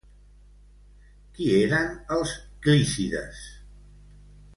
Qui eren els Clícides?